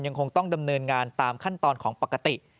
ยังคงต้องดำเนินงานตามขั้นตอนของปกติ